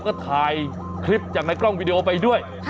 ก็ถ่ายคลิปจากในกล้องวิดีโอไปด้วย